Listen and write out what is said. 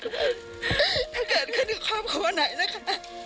ถ้าเกิดขึ้นกับครอบครัวไหนนะคะ